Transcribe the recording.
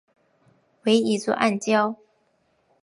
为一座暗礁。